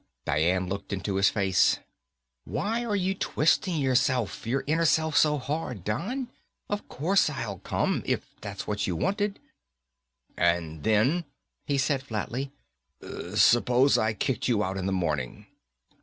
Dian looked into his face. "Why are you twisting yourself, your inner self, so hard, Don? Of course I'd come if that's what you wanted." "And then," he said flatly, "suppose I kicked you out in the morning?"